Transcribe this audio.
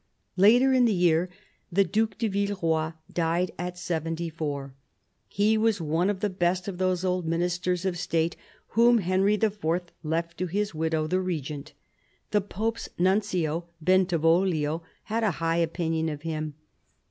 Later in the year, the Due de Villeroy died at seventy four. He was one of the best of those old Ministers of State whom Henry IV. left to his widow, the Regent. The Pope's Nuncio, Bentivoglio, had a high opinion of him.